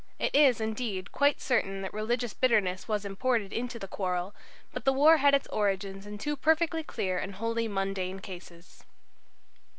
It is, indeed, quite certain that religious bitterness was imported into the quarrel; but the war had its origin in two perfectly clear and wholly mundane causes."